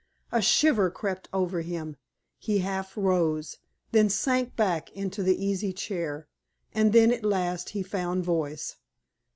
A shiver crept over him; he half rose, then sank back into the easy chair, and then at last he found voice.